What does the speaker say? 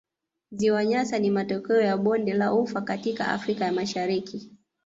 Ziwa Nyasa ni matokeo ya bonde la ufa katika Afrika ya Mashariki